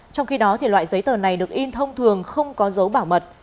trong khi đó loại giấy tờ này được in thông thường không có dấu bảo mật